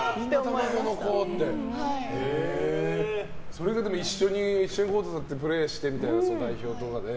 それが一緒にコートに立ってプレーしてみたいな、代表とかで。